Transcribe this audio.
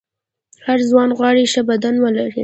هر ځوان غواړي ښه بدن ولري.